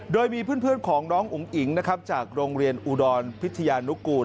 โดยมีเพื่อนของน้องอุ๋งอิ๋งนะครับจากโรงเรียนอุดรพิทยานุกูล